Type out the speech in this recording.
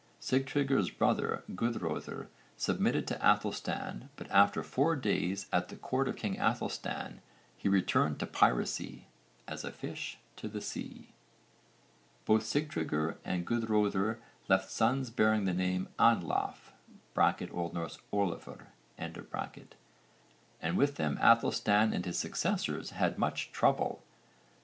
Sigtryggr's brother Guðröðr submitted to Aethelstan but after four days at the court of king Aethelstan 'he returned to piracy as a fish to the sea.' Both Sigtryggr and Guðröðr left sons bearing the name Anlaf (O.N. Ólafr) and with them Aethelstan and his successors had much trouble.